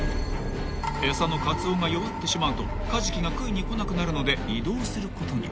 ［餌のカツオが弱ってしまうとカジキが食いに来なくなるので移動することに］